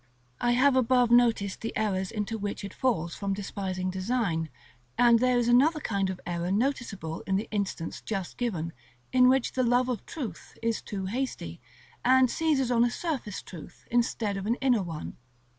I have above noticed the errors into which it falls from despising design; and there is another kind of error noticeable in the instance just given, in which the love of truth is too hasty, and seizes on a surface truth instead of an inner one.